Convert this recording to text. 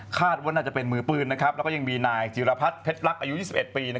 คาดว่าน่าจะเป็นมือปืนและยังมีนายจิรพรรดิเพชรรักษณ์อายุ๒๑ปี